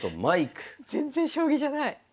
全然将棋じゃない。